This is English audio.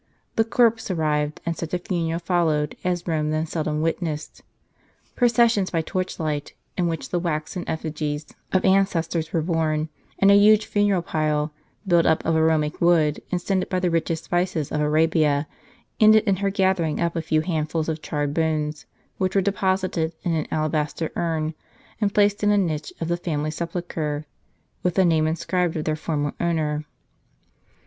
The corpse arrived, and such a funeral followed as Rome then seldom witnessed. Processions by torch light, in which the waxen eftigies of ancestors were borne, and a huge funeral pile, built up of aromatic wood, and scented by the richest spices of Arabia, ended in her gathering up a few handfuls of charred bones, which were deposited in an alabaster urn, and placed in a niche of the family sepulchre, with the name inscribed of their former owner.